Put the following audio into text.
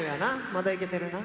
まだいけてるな。